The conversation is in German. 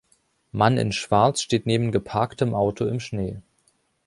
Mann in Schwarz steht neben geparktem Auto im Schnee.